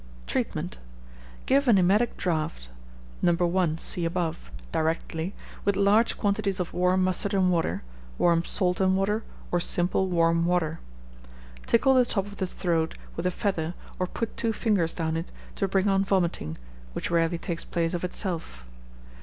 Treatment. Give an emetic draught (No. 1, see above) directly, with large quantities of warm mustard and water, warm salt and water, or simple warm water. Tickle the top of the throat with a feather, or put two fingers down it to bring on vomiting, which rarely takes place of itself.